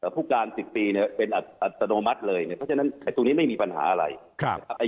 ผู้การ๑๐ปีเนี่ยเป็นอัตโนมัติเลยเนี่ยเพราะฉะนั้นตรงนี้ไม่มีปัญหาอะไรนะครับ